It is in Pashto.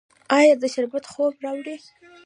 ایا دا شربت خوب راوړي؟